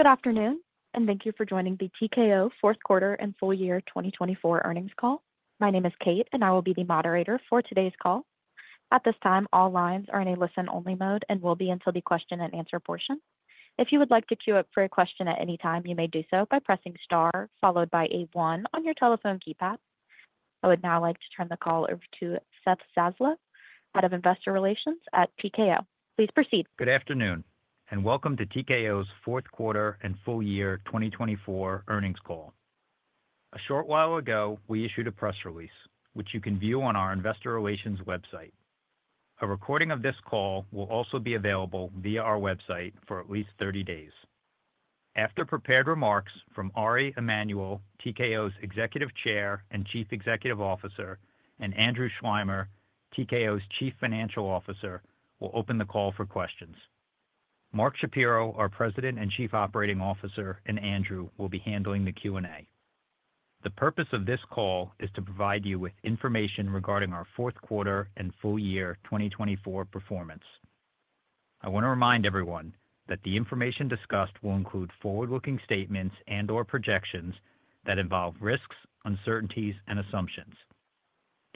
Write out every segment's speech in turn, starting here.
Good afternoon, and thank you for joining the TKO Q4 and Full Year 2024 Earnings Call. My name is Kate, and I will be the moderator for today's call. At this time, all lines are in a listen-only mode and will be until the question-and-answer portion. If you would like to queue up for a question at any time, you may do so by pressing star followed by a one on your telephone keypad. I would now like to turn the call over to Seth Zaslow, Head of Investor Relations at TKO. Please proceed. Good afternoon, and welcome to TKO's Q4 and Full Year 2024 Earnings Call. A short while ago, we issued a press release, which you can view on our Investor Relations website. A recording of this call will also be available via our website for at least 30 days. After prepared remarks from Ari Emanuel, TKO's Executive Chair and Chief Executive Officer, and Andrew Schleimer, TKO's Chief Financial Officer, will open the call for questions. Mark Shapiro, our President and Chief Operating Officer, and Andrew will be handling the Q&A. The purpose of this call is to provide you with information regarding our Q4 and Full Year 2024 performance. I want to remind everyone that the information discussed will include forward-looking statements and/or projections that involve risks, uncertainties, and assumptions.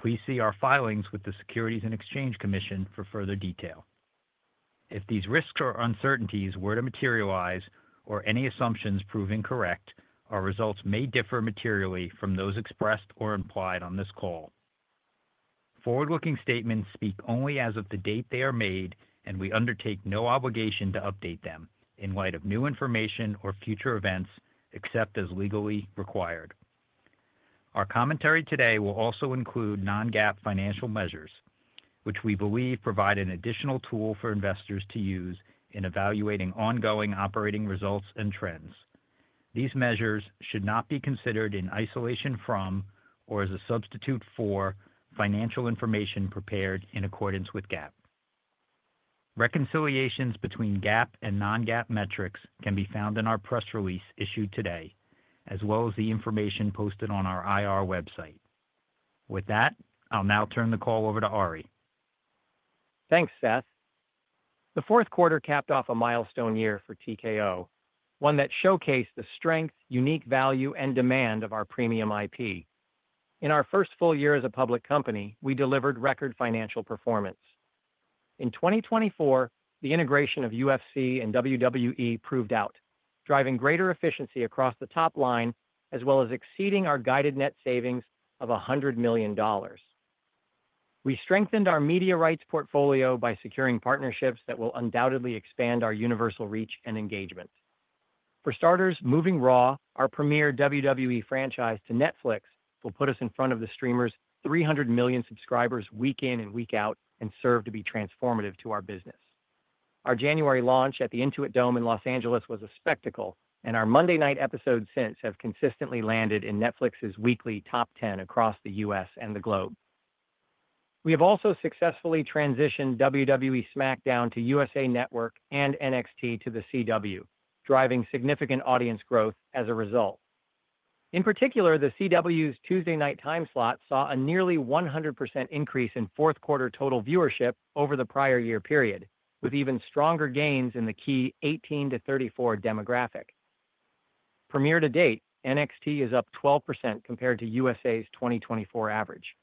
Please see our filings with the Securities and Exchange Commission for further detail. If these risks or uncertainties were to materialize or any assumptions prove incorrect, our results may differ materially from those expressed or implied on this call. Forward-looking statements speak only as of the date they are made, and we undertake no obligation to update them in light of new information or future events except as legally required. Our commentary today will also include non-GAAP financial measures, which we believe provide an additional tool for investors to use in evaluating ongoing operating results and trends. These measures should not be considered in isolation from or as a substitute for financial information prepared in accordance with GAAP. Reconciliations between GAAP and non-GAAP metrics can be found in our press release issued today, as well as the information posted on our IR website. With that, I'll now turn the call over to Ari. Thanks, Seth. The Q4 capped off a milestone year for TKO, one that showcased the strength, unique value, and demand of our premium IP. In our first full year as a public company, we delivered record financial performance. In 2024, the integration of UFC and WWE proved out, driving greater efficiency across the top line as well as exceeding our guided net savings of $100 million. We strengthened our media rights portfolio by securing partnerships that will undoubtedly expand our universal reach and engagement. For starters, moving Raw, our premier WWE franchise, to Netflix, will put us in front of the streamer's 300 million subscribers week in and week out and serve to be transformative to our business. Our January launch at the Intuit Dome in Los Angeles was a spectacle, and our Monday night episodes since have consistently landed in Netflix's weekly top 10 across the U.S. and the globe. We have also successfully transitioned WWE SmackDown to USA Network and NXT to the CW, driving significant audience growth as a result. In particular, the CW's Tuesday night time slot saw a nearly 100% increase in Q4 total viewership over the prior year period, with even stronger gains in the key 18 to 34 demographic. Year-to-date, NXT is up 12% compared to USA's 2024 average.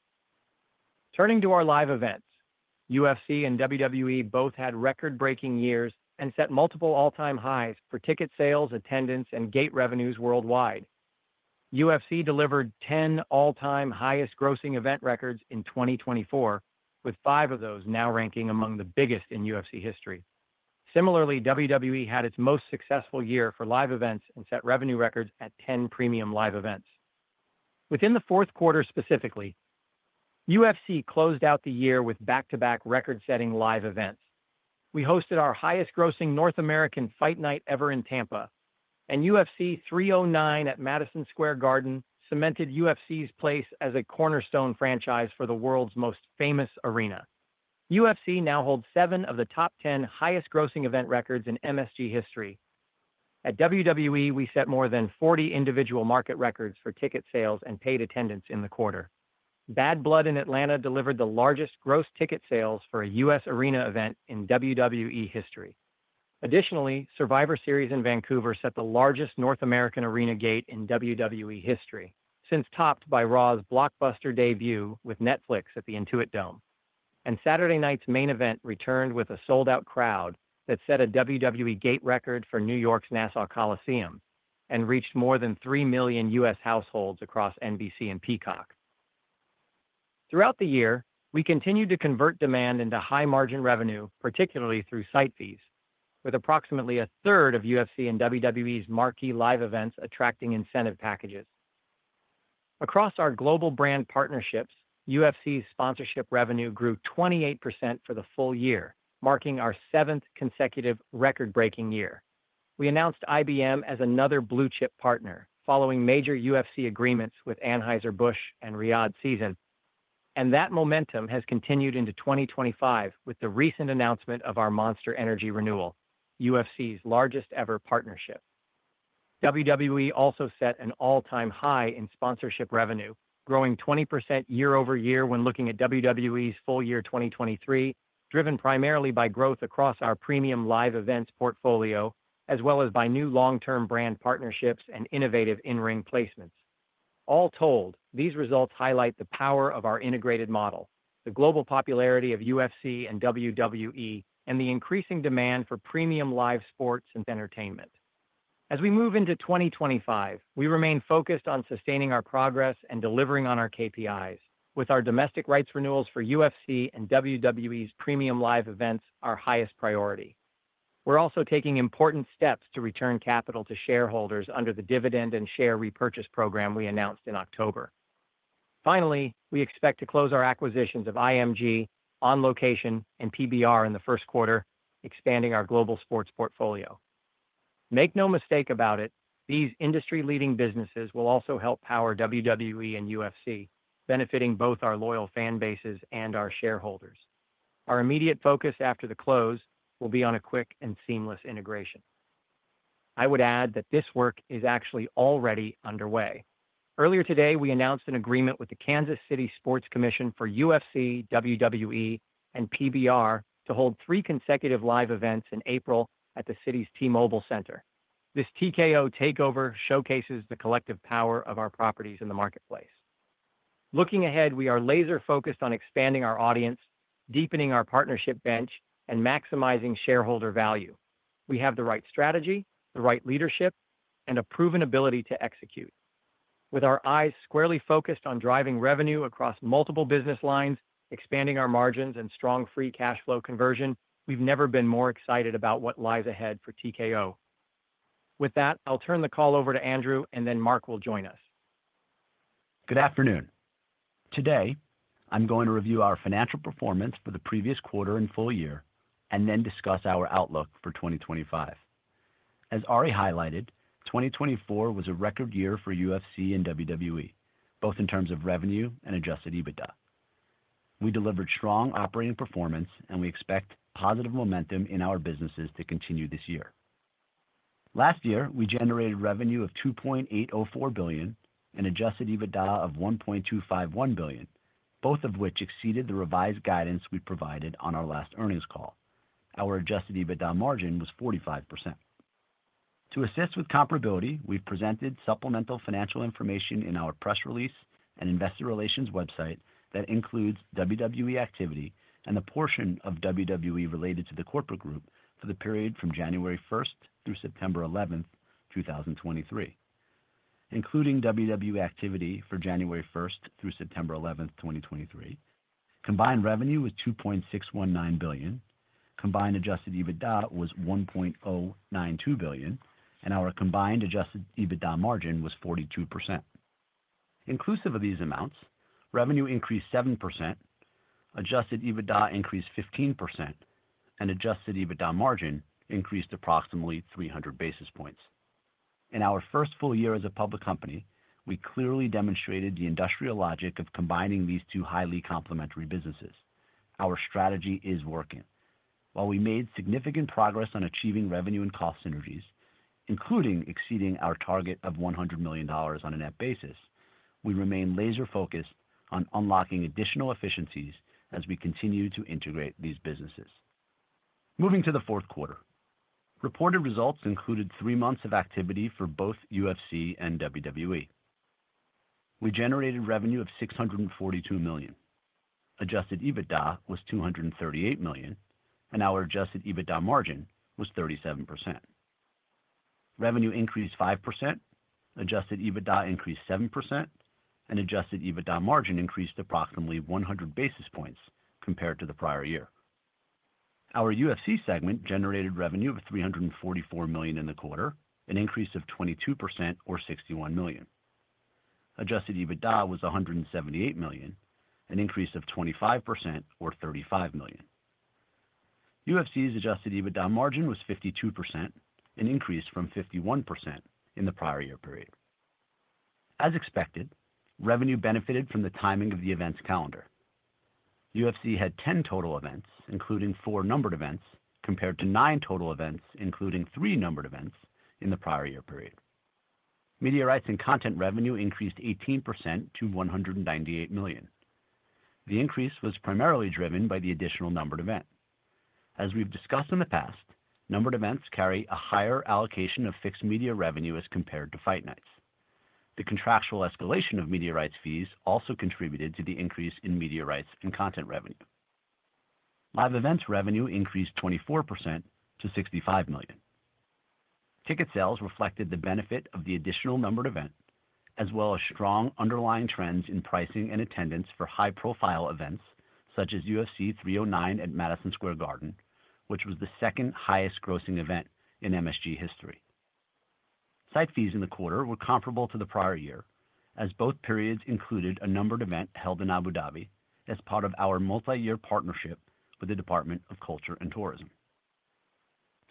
Turning to our live events, UFC and WWE both had record-breaking years and set multiple all-time highs for ticket sales, attendance, and gate revenues worldwide. UFC delivered 10 all-time highest grossing event records in 2024, with five of those now ranking among the biggest in UFC history. Similarly, WWE had its most successful year for live events and set revenue records at 10 premium live events. Within the Q4 specifically, UFC closed out the year with back-to-back record-setting live events. We hosted our highest grossing North American Fight Night ever in Tampa, and UFC 309 at Madison Square Garden cemented UFC's place as a cornerstone franchise for the world's most famous arena. UFC now holds seven of the top 10 highest grossing event records in MSG history. At WWE, we set more than 40 individual market records for ticket sales and paid attendance in the quarter. Bad Blood in Atlanta delivered the largest gross ticket sales for a U.S. arena event in WWE history. Additionally, Survivor Series in Vancouver set the largest North American arena gate in WWE history, since topped by Raw's blockbuster debut with Netflix at the Intuit Dome. Saturday Night's Main Event returned with a sold-out crowd that set a WWE gate record for New York's Nassau Veterans Memorial Coliseum and reached more than 3 million U.S. households across NBC and Peacock. Throughout the year, we continued to convert demand into high-margin revenue, particularly through site fees, with approximately a third of UFC and WWE's marquee live events attracting incentive packages. Across our global brand partnerships, UFC's sponsorship revenue grew 28% for the full year, marking our seventh consecutive record-breaking year. We announced IBM as another blue-chip partner following major UFC agreements with Anheuser-Busch and Riyadh Season, and that momentum has continued into 2025 with the recent announcement of our Monster Energy renewal, UFC's largest ever partnership. WWE also set an all-time high in sponsorship revenue, growing 20% year over year when looking at WWE's full year 2023, driven primarily by growth across our premium live events portfolio, as well as by new long-term brand partnerships and innovative in-ring placements. All told, these results highlight the power of our integrated model, the global popularity of UFC and WWE, and the increasing demand for premium live sports and entertainment. As we move into 2025, we remain focused on sustaining our progress and delivering on our KPIs, with our domestic rights renewals for UFC and WWE's premium live events our highest priority. We're also taking important steps to return capital to shareholders under the dividend and share repurchase program we announced in October. Finally, we expect to close our acquisitions of IMG, On Location, and PBR in the Q1, expanding our global sports portfolio. Make no mistake about it, these industry-leading businesses will also help power WWE and UFC, benefiting both our loyal fan bases and our shareholders. Our immediate focus after the close will be on a quick and seamless integration. I would add that this work is actually already underway. Earlier today, we announced an agreement with the Kansas City Sports Commission for UFC, WWE, and PBR to hold three consecutive live events in April at the city's T-Mobile Center. This TKO Takeover showcases the collective power of our properties in the marketplace. Looking ahead, we are laser-focused on expanding our audience, deepening our partnership bench, and maximizing shareholder value. We have the right strategy, the right leadership, and a proven ability to execute. With our eyes squarely focused on driving revenue across multiple business lines, expanding our margins, and strong free cash flow conversion, we've never been more excited about what lies ahead for TKO. With that, I'll turn the call over to Andrew, and then Mark will join us. Good afternoon. Today, I'm going to review our financial performance for the previous quarter and full year, and then discuss our outlook for 2025. As Ari highlighted, 2024 was a record year for UFC and WWE, both in terms of revenue and adjusted EBITDA. We delivered strong operating performance, and we expect positive momentum in our businesses to continue this year. Last year, we generated revenue of $2.804 billion and adjusted EBITDA of $1.251 billion, both of which exceeded the revised guidance we provided on our last earnings call. Our adjusted EBITDA margin was 45%. To assist with comparability, we've presented supplemental financial information in our press release and Investor Relations website that includes WWE activity and the portion of WWE related to the corporate group for the period from 1 January 2023 through 11 September 2023. Including WWE activity for 1 January 2023 through 11 September 2023, combined revenue was $2.619 billion, combined adjusted EBITDA was $1.092 billion, and our combined adjusted EBITDA margin was 42%. Inclusive of these amounts, revenue increased 7%, adjusted EBITDA increased 15%, and adjusted EBITDA margin increased approximately 300 basis points. In our first full year as a public company, we clearly demonstrated the industrial logic of combining these two highly complementary businesses. Our strategy is working. While we made significant progress on achieving revenue and cost synergies, including exceeding our target of $100 million on a net basis, we remain laser-focused on unlocking additional efficiencies as we continue to integrate these businesses. Moving to the Q4, reported results included three months of activity for both UFC and WWE. We generated revenue of $642 million, adjusted EBITDA was $238 million, and our adjusted EBITDA margin was 37%. Revenue increased 5%, Adjusted EBITDA increased 7%, and Adjusted EBITDA margin increased approximately 100 basis points compared to the prior year. Our UFC segment generated revenue of $344 million in the quarter, an increase of 22% or $61 million. Adjusted EBITDA was $178 million, an increase of 25% or $35 million. UFC's Adjusted EBITDA margin was 52%, an increase from 51% in the prior year period. As expected, revenue benefited from the timing of the events calendar. UFC had 10 total events, including four numbered events, compared to nine total events, including three numbered events, in the prior year period. Media rights and content revenue increased 18% to $198 million. The increase was primarily driven by the additional numbered event. As we've discussed in the past, numbered events carry a higher allocation of fixed media revenue as compared to Fight Nights. The contractual escalation of media rights fees also contributed to the increase in media rights and content revenue. Live events revenue increased 24% to $65 million. Ticket sales reflected the benefit of the additional numbered event, as well as strong underlying trends in pricing and attendance for high-profile events such as UFC 309 at Madison Square Garden, which was the second highest grossing event in MSG history. Site fees in the quarter were comparable to the prior year, as both periods included a numbered event held in Abu Dhabi as part of our multi-year partnership with the Department of Culture and Tourism.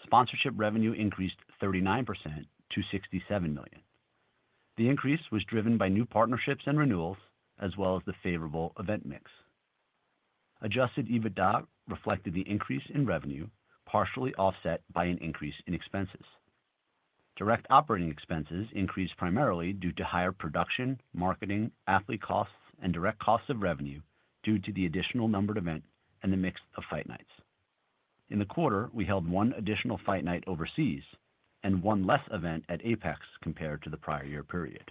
Sponsorship revenue increased 39% to $67 million. The increase was driven by new partnerships and renewals, as well as the favorable event mix. Adjusted EBITDA reflected the increase in revenue, partially offset by an increase in expenses. Direct operating expenses increased primarily due to higher production, marketing, athlete costs, and direct costs of revenue due to the additional numbered event and the mix of fight nights. In the quarter, we held one additional fight night overseas and one less event at APEX compared to the prior year period.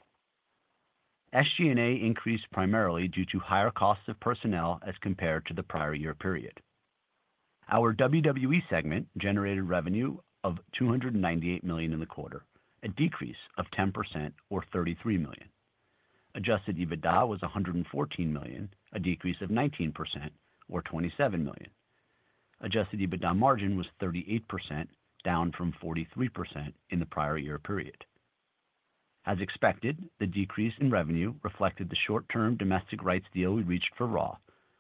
SG&A increased primarily due to higher costs of personnel as compared to the prior year period. Our WWE segment generated revenue of $298 million in the quarter, a decrease of 10% or $33 million. Adjusted EBITDA was $114 million, a decrease of 19% or $27 million. Adjusted EBITDA margin was 38%, down from 43% in the prior year period. As expected, the decrease in revenue reflected the short-term domestic rights deal we reached for Raw,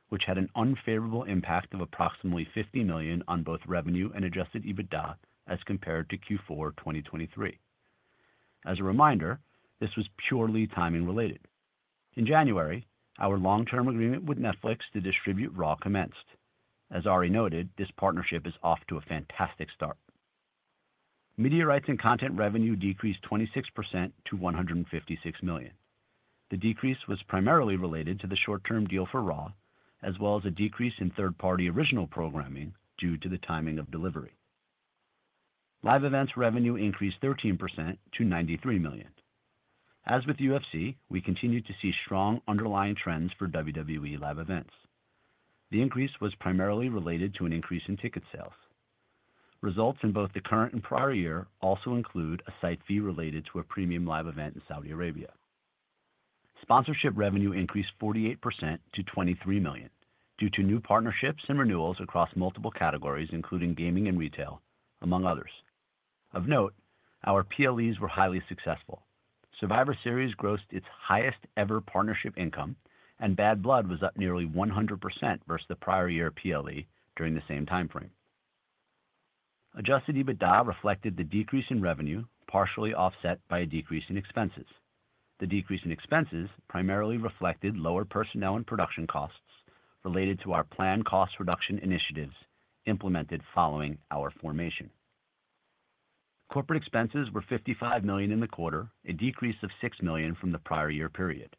which had an unfavorable impact of approximately $50 million on both revenue and adjusted EBITDA as compared to Q4 2023. As a reminder, this was purely timing related. In January, our long-term agreement with Netflix to distribute Raw commenced. As Ari noted, this partnership is off to a fantastic start. Media rights and content revenue decreased 26% to $156 million. The decrease was primarily related to the short-term deal for Raw, as well as a decrease in third-party original programming due to the timing of delivery. Live events revenue increased 13% to $93 million. As with UFC, we continued to see strong underlying trends for WWE live events. The increase was primarily related to an increase in ticket sales. Results in both the current and prior year also include a site fee related to a Premium Live Event in Saudi Arabia. Sponsorship revenue increased 48% to $23 million due to new partnerships and renewals across multiple categories, including gaming and retail, among others. Of note, our PLEs were highly successful. Survivor Series grossed its highest ever partnership income, and Bad Blood was up nearly 100% versus the prior year PLE during the same timeframe. Adjusted EBITDA reflected the decrease in revenue, partially offset by a decrease in expenses. The decrease in expenses primarily reflected lower personnel and production costs related to our planned cost reduction initiatives implemented following our formation. Corporate expenses were $55 million in the quarter, a decrease of $6 million from the prior year period.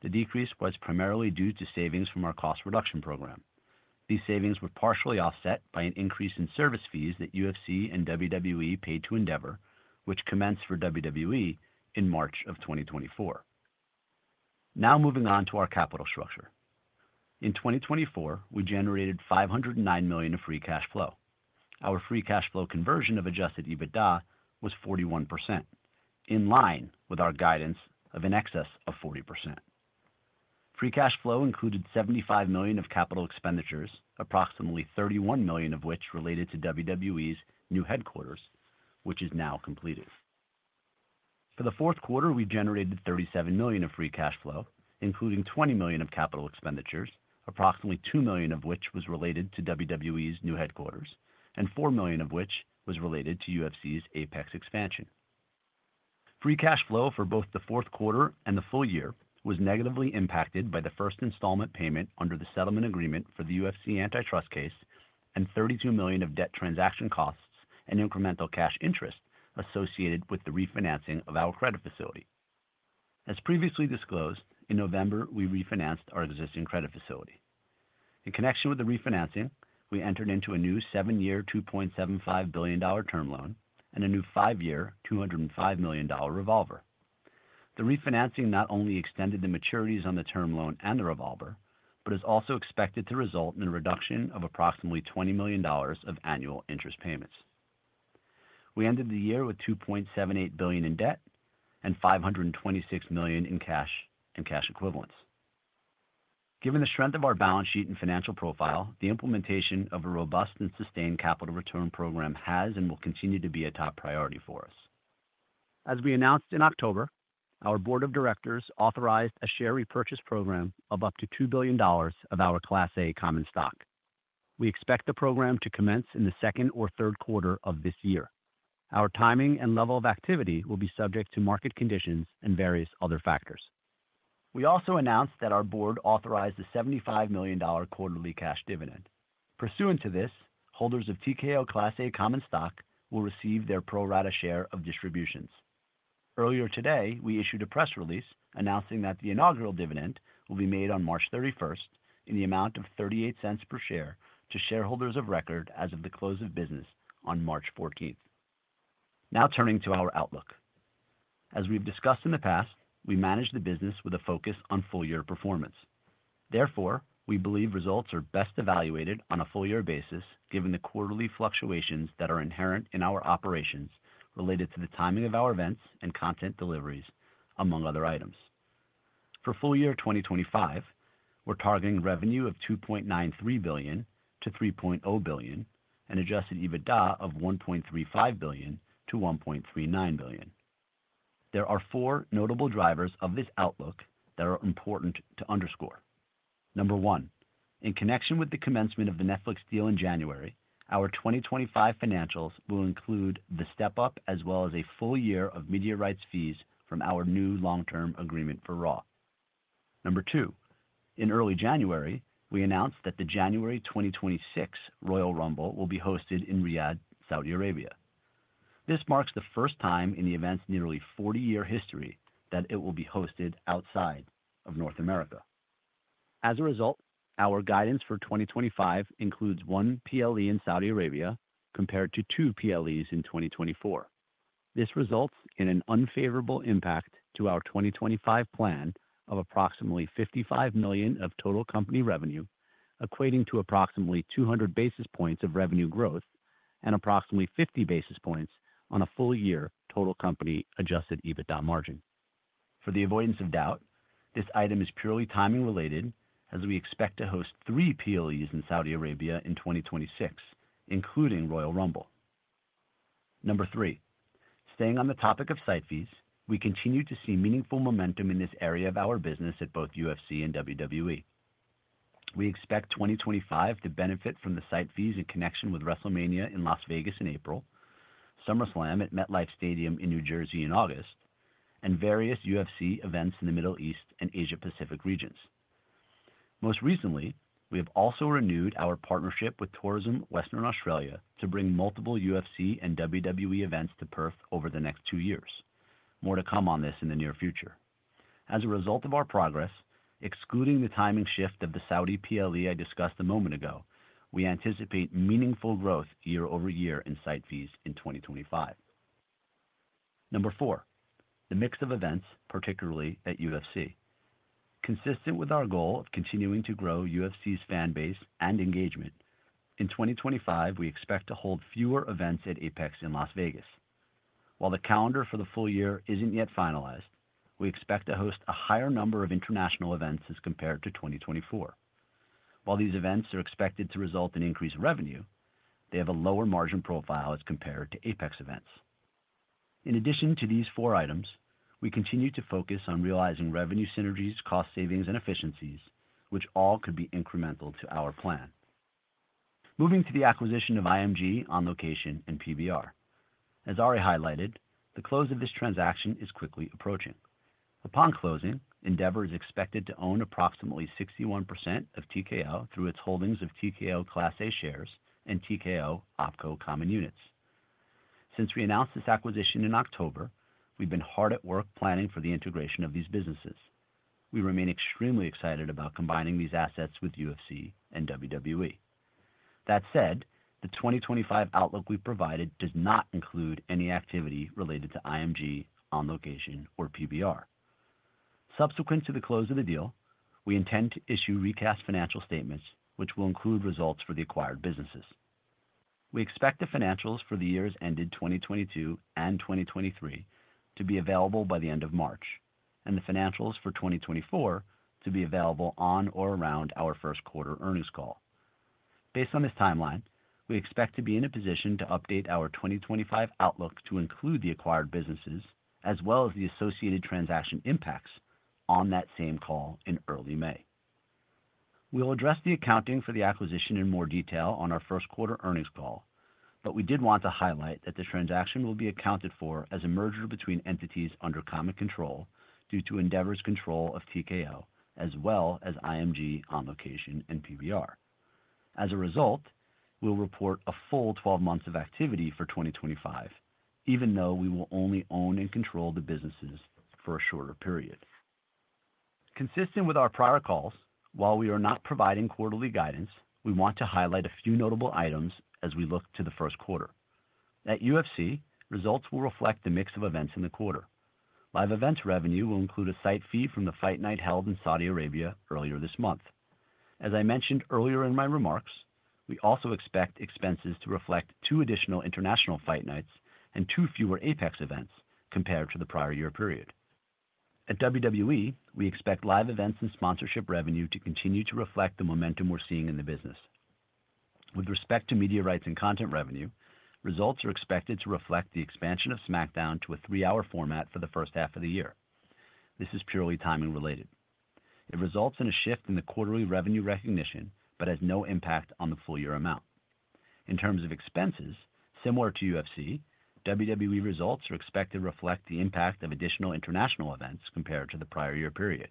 The decrease was primarily due to savings from our cost reduction program. These savings were partially offset by an increase in service fees that UFC and WWE paid to Endeavor, which commenced for WWE in March of 2024. Now moving on to our capital structure. In 2024, we generated $509 million of free cash flow. Our free cash flow conversion of Adjusted EBITDA was 41%, in line with our guidance of an excess of 40%. Free cash flow included $75 million of capital expenditures, approximately $31 million of which related to WWE's new headquarters, which is now completed. For the Q4, we generated $37 million of free cash flow, including $20 million of capital expenditures, approximately $2 million of which was related to WWE's new headquarters, and $4 million of which was related to UFC's APEX expansion. Free cash flow for both the Q4 and the full year was negatively impacted by the first installment payment under the settlement agreement for the UFC antitrust case and $32 million of debt transaction costs and incremental cash interest associated with the refinancing of our credit facility. As previously disclosed, in November, we refinanced our existing credit facility. In connection with the refinancing, we entered into a new seven-year $2.75 billion term loan and a new five-year $205 million revolver. The refinancing not only extended the maturities on the term loan and the revolver, but is also expected to result in a reduction of approximately $20 million of annual interest payments. We ended the year with $2.78 billion in debt and $526 million in cash and cash equivalents. Given the strength of our balance sheet and financial profile, the implementation of a robust and sustained capital return program has and will continue to be a top priority for us. As we announced in October, our board of directors authorized a share repurchase program of up to $2 billion of our Class A common stock. We expect the program to commence in the second or Q3 of this year. Our timing and level of activity will be subject to market conditions and various other factors. We also announced that our board authorized a $75 million quarterly cash dividend. Pursuant to this, holders of TKO Class A common stock will receive their pro rata share of distributions. Earlier today, we issued a press release announcing that the inaugural dividend will be made on March 31st in the amount of $0.38 per share to shareholders of record as of the close of business on 14 March. Now turning to our outlook. As we've discussed in the past, we manage the business with a focus on full-year performance. Therefore, we believe results are best evaluated on a full-year basis given the quarterly fluctuations that are inherent in our operations related to the timing of our events and content deliveries, among other items. For full year 2025, we're targeting revenue of $2.93 billion-$3.0 billion and adjusted EBITDA of $1.35 billion-$1.39 billion. There are four notable drivers of this outlook that are important to underscore. Number one, in connection with the commencement of the Netflix deal in January, our 2025 financials will include the step-up as well as a full year of media rights fees from our new long-term agreement for Raw. Number two, in early January, we announced that the January 2026 Royal Rumble will be hosted in Riyadh, Saudi Arabia. This marks the first time in the event's nearly 40-year history that it will be hosted outside of North America. As a result, our guidance for 2025 includes one PLE in Saudi Arabia compared to two PLEs in 2024. This results in an unfavorable impact to our 2025 plan of approximately $55 million of total company revenue, equating to approximately 200 basis points of revenue growth and approximately 50 basis points on a full-year total company Adjusted EBITDA margin. For the avoidance of doubt, this item is purely timing related as we expect to host three PLEs in Saudi Arabia in 2026, including Royal Rumble. Number three, staying on the topic of site fees, we continue to see meaningful momentum in this area of our business at both UFC and WWE. We expect 2025 to benefit from the site fees in connection with WrestleMania in Las Vegas in April, SummerSlam at MetLife Stadium in New Jersey in August, and various UFC events in the Middle East and Asia-Pacific regions. Most recently, we have also renewed our partnership with Tourism Western Australia to bring multiple UFC and WWE events to Perth over the next two years. More to come on this in the near future. As a result of our progress, excluding the timing shift of the Saudi PLE I discussed a moment ago, we anticipate meaningful growth year over year in site fees in 2025. Number four, the mix of events, particularly at UFC. Consistent with our goal of continuing to grow UFC's fan base and engagement, in 2025, we expect to hold fewer events at APEX in Las Vegas. While the calendar for the full year isn't yet finalized, we expect to host a higher number of international events as compared to 2024. While these events are expected to result in increased revenue, they have a lower margin profile as compared to APEX events. In addition to these four items, we continue to focus on realizing revenue synergies, cost savings, and efficiencies, which all could be incremental to our plan. Moving to the acquisition of IMG, On Location, and PBR. As Ari highlighted, the close of this transaction is quickly approaching. Upon closing, Endeavor is expected to own approximately 61% of TKO through its holdings of TKO Class A shares and TKO OpCo common units. Since we announced this acquisition in October, we've been hard at work planning for the integration of these businesses. We remain extremely excited about combining these assets with UFC and WWE. That said, the 2025 outlook we've provided does not include any activity related to IMG, On Location, or PBR. Subsequent to the close of the deal, we intend to issue recast financial statements, which will include results for the acquired businesses. We expect the financials for the years ended 2022 and 2023 to be available by the end of March and the financials for 2024 to be available on or around our Q1 Earnings Call. Based on this timeline, we expect to be in a position to update our 2025 outlook to include the acquired businesses as well as the associated transaction impacts on that same call in early May. We'll address the accounting for the acquisition in more detail on our Q1 Earnings Call, but we did want to highlight that the transaction will be accounted for as a merger between entities under common control due to Endeavor's control of TKO as well as IMG, On Location, and PBR. As a result, we'll report a full 12 months of activity for 2025, even though we will only own and control the businesses for a shorter period. Consistent with our prior calls, while we are not providing quarterly guidance, we want to highlight a few notable items as we look to the Q1. At UFC, results will reflect the mix of events in the quarter. Live events revenue will include a site fee from the fight night held in Saudi Arabia earlier this month. As I mentioned earlier in my remarks, we also expect expenses to reflect two additional international fight nights and two fewer APEX events compared to the prior year period. At WWE, we expect live events and sponsorship revenue to continue to reflect the momentum we're seeing in the business. With respect to media rights and content revenue, results are expected to reflect the expansion of SmackDown to a three-hour format for the first half of the year. This is purely timing related. It results in a shift in the quarterly revenue recognition but has no impact on the full-year amount. In terms of expenses, similar to UFC, WWE results are expected to reflect the impact of additional international events compared to the prior year period.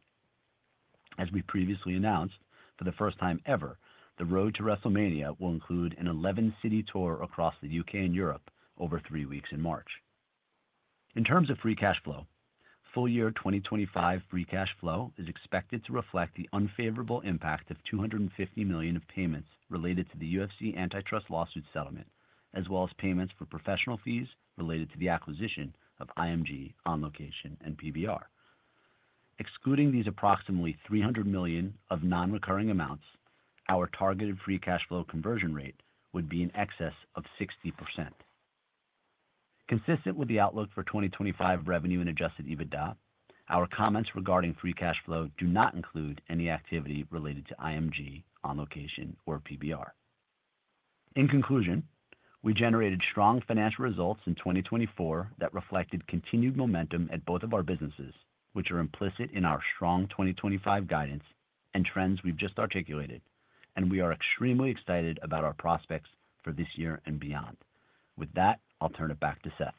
As we previously announced, for the first time ever, the Road to WrestleMania will include an 11-city tour across the U.K. and Europe over three weeks in March. In terms of free cash flow, full year 2025 free cash flow is expected to reflect the unfavorable impact of $250 million of payments related to the UFC antitrust lawsuit settlement, as well as payments for professional fees related to the acquisition of IMG, On Location, and PBR. Excluding these approximately $300 million of non-recurring amounts, our targeted free cash flow conversion rate would be in excess of 60%. Consistent with the outlook for 2025 revenue and Adjusted EBITDA, our comments regarding free cash flow do not include any activity related to IMG, On Location, or PBR. In conclusion, we generated strong financial results in 2024 that reflected continued momentum at both of our businesses, which are implicit in our strong 2025 guidance and trends we've just articulated, and we are extremely excited about our prospects for this year and beyond. With that, I'll turn it back to Seth.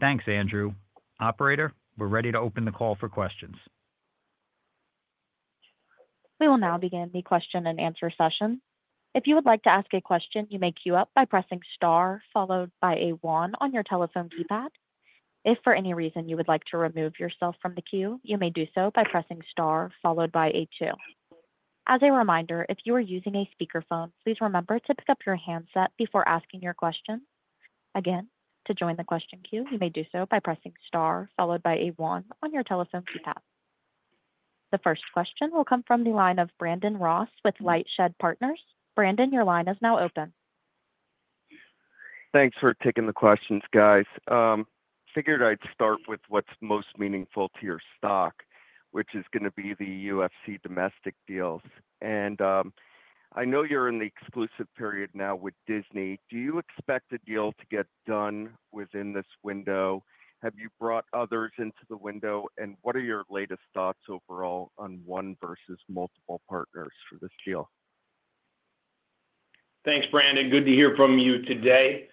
Thanks, Andrew. Operator, we're ready to open the call for questions. We will now begin the question and answer session. If you would like to ask a question, you may queue up by pressing star followed by a one on your telephone keypad. If for any reason you would like to remove yourself from the queue, you may do so by pressing star followed by a two. As a reminder, if you are using a speakerphone, please remember to pick up your handset before asking your question. Again, to join the question queue, you may do so by pressing star followed by a one on your telephone keypad. The first question will come from the line of Brandon Ross with LightShed Partners. Brandon, your line is now open. Thanks for taking the questions, guys. Figured I'd start with what's most meaningful to your stock, which is going to be the UFC domestic deals. And I know you're in the exclusive period now with Disney. Do you expect a deal to get done within this window? Have you brought others into the window? And what are your latest thoughts overall on one versus multiple partners for this deal? Thanks, Brandon. Good to hear from you today.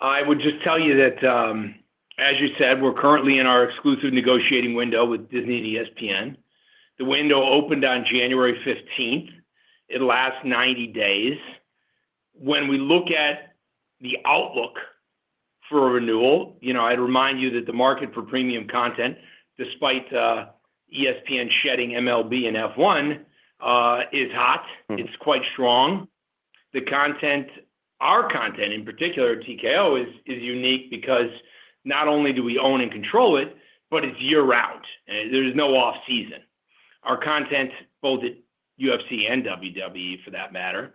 I would just tell you that, as you said, we're currently in our exclusive negotiating window with Disney and ESPN. The window opened on 15 January. It lasts 90 days. When we look at the outlook for renewal, I'd remind you that the market for premium content, despite ESPN shedding MLB and F1, is hot. It's quite strong. Our content, in particular, TKO, is unique because not only do we own and control it, but it's year-round. There is no off-season. Our content, both at UFC and WWE, for that matter,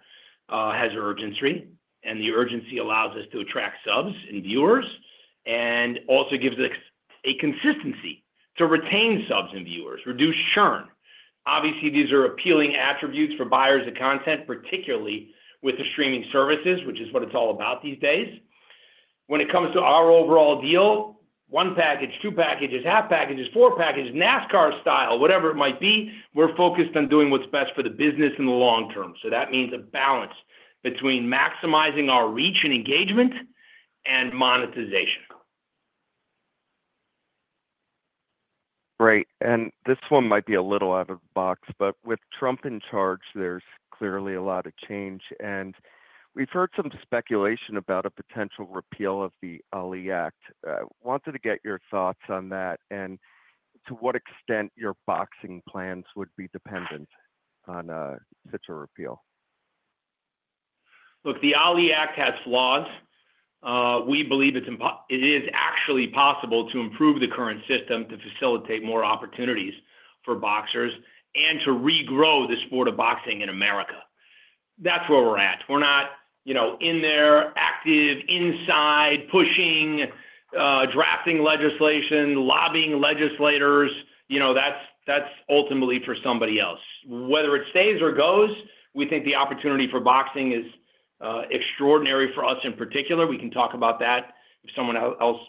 has urgency, and the urgency allows us to attract subs and viewers and also gives us a consistency to retain subs and viewers, reduce churn. Obviously, these are appealing attributes for buyers of content, particularly with the streaming services, which is what it's all about these days. When it comes to our overall deal, one package, two packages, half packages, four packages, NASCAR style, whatever it might be, we're focused on doing what's best for the business in the long term. So that means a balance between maximizing our reach and engagement and monetization. Right. And this one might be a little out of the box, but with Trump in charge, there's clearly a lot of change. And we've heard some speculation about a potential repeal of the Ali Act. I wanted to get your thoughts on that and to what extent your boxing plans would be dependent on such a repeal. Look, the Ali Act has flaws. We believe it is actually possible to improve the current system to facilitate more opportunities for boxers and to regrow the sport of boxing in America. That's where we're at. We're not in there active, inside pushing, drafting legislation, lobbying legislators. That's ultimately for somebody else. Whether it stays or goes, we think the opportunity for boxing is extraordinary for us in particular. We can talk about that if someone else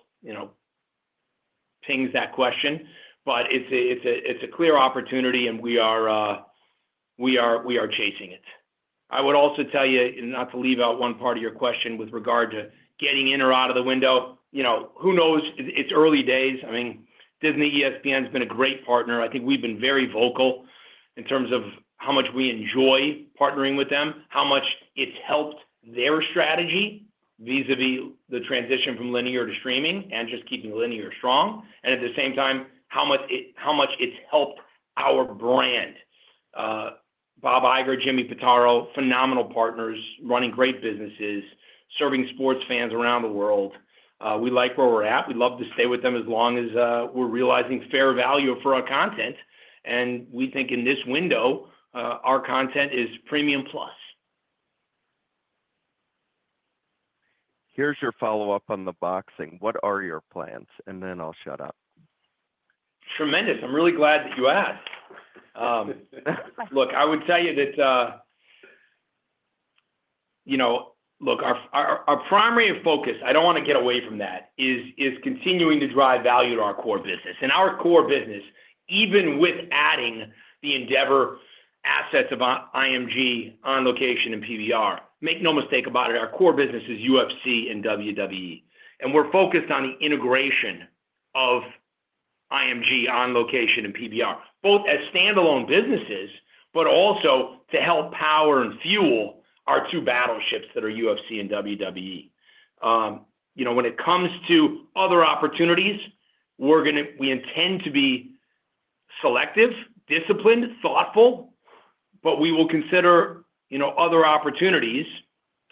pings that question. But it's a clear opportunity, and we are chasing it. I would also tell you, not to leave out one part of your question with regard to getting in or out of the window, who knows? It's early days. I mean, Disney, ESPN has been a great partner. I think we've been very vocal in terms of how much we enjoy partnering with them, how much it's helped their strategy vis-à-vis the transition from linear to streaming and just keeping linear strong, and at the same time, how much it's helped our brand. Bob Iger, Jimmy Pitaro, phenomenal partners, running great businesses, serving sports fans around the world. We like where we're at. We'd love to stay with them as long as we're realizing fair value for our content. We think in this window, our content is premium plus. Here's your follow-up on the boxing. What are your plans? And then I'll shut up. Tremendous. I'm really glad that you asked. Look, I would tell you that, look, our primary focus, I don't want to get away from that, is continuing to drive value to our core business. Our core business, even with adding the Endeavor assets of IMG, On Location, and PBR, make no mistake about it, our core business is UFC and WWE. And we're focused on the integration of IMG, On Location, and PBR, both as standalone businesses, but also to help power and fuel our two battleships that are UFC and WWE. When it comes to other opportunities, we intend to be selective, disciplined, thoughtful, but we will consider other opportunities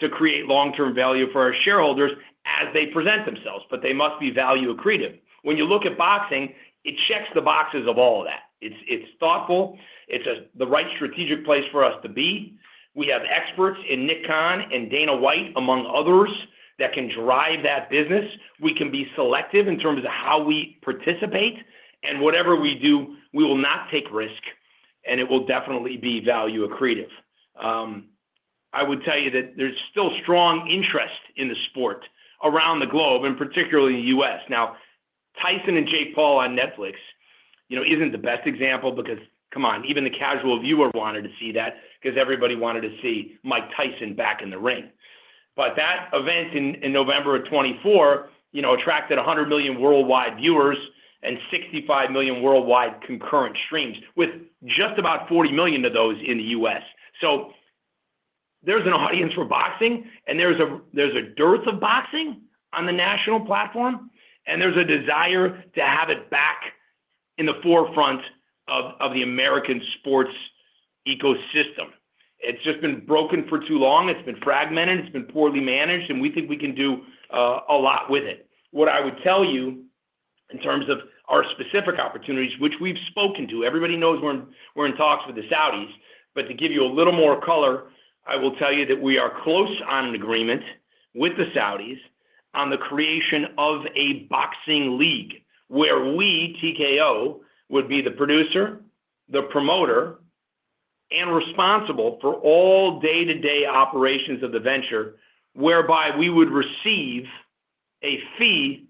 to create long-term value for our shareholders as they present themselves, but they must be value accretive. When you look at boxing, it checks the boxes of all of that. It's thoughtful. It's the right strategic place for us to be. We have experts in Nick Khan and Dana White, among others, that can drive that business. We can be selective in terms of how we participate. And whatever we do, we will not take risk, and it will definitely be value accretive. I would tell you that there's still strong interest in the sport around the globe, and particularly in the U.S. Now, Tyson and Jake Paul on Netflix isn't the best example because, come on, even the casual viewer wanted to see that because everybody wanted to see Mike Tyson back in the ring. But that event in November of 2024 attracted 100 million worldwide viewers and 65 million worldwide concurrent streams, with just about 40 million of those in the U.S. So there's an audience for boxing, and there's a dearth of boxing on the national platform, and there's a desire to have it back in the forefront of the American sports ecosystem. It's just been broken for too long. It's been fragmented. It's been poorly managed, and we think we can do a lot with it. What I would tell you in terms of our specific opportunities, which we've spoken to, everybody knows we're in talks with the Saudis, but to give you a little more color, I will tell you that we are close on an agreement with the Saudis on the creation of a boxing league where we, TKO, would be the producer, the promoter, and responsible for all day-to-day operations of the venture, whereby we would receive a fee